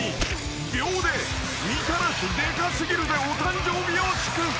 ［秒でみたらしデカすぎるでお誕生日を祝福］